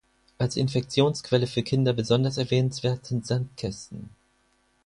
Als Infektionsquelle für Kinder besonders erwähnenswert sind Sandkästen.